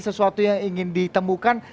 sesuatu yang ingin ditemukan